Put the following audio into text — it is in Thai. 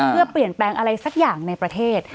เพื่อเปลี่ยนแปลงอะไรสักอย่างในประเทศ